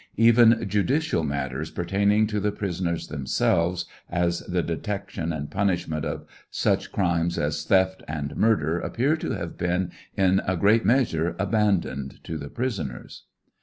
Even judicial matters pertaining to the prisoners themselves, as the detection and punishment of such crimes as theft and murder appear to have been in a great measure abandoned to the prisoners.